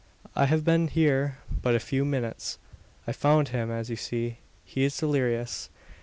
I've been here but a few minutes. I found him as you see. He is delirious."